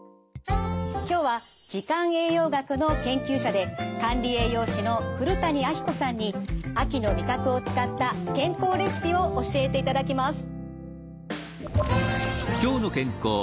今日は時間栄養学の研究者で管理栄養士の古谷彰子さんに秋の味覚を使った健康レシピを教えていただきます。